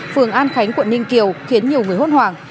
phường an khánh quận ninh kiều khiến nhiều người hốt hoảng